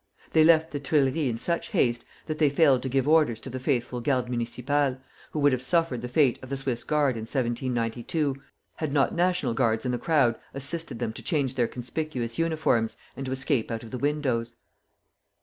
They left the Tuileries in such haste that they failed to give orders to the faithful Garde Municipale, who would have suffered the fate of the Swiss Guard in 1792, had not National Guards in the crowd assisted them to change their conspicuous uniforms and to escape out of the windows.